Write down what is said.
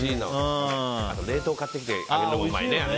あと冷凍買ってきて揚げるのもうまいね。